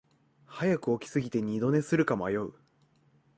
早く起きすぎて二度寝するか迷う